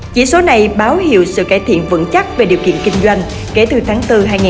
chỉ số này báo hiệu sự cải thiện vững chắc về điều kiện kinh doanh kể từ tháng bốn hai nghìn hai mươi